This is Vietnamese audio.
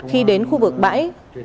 khi đến khu vực bãi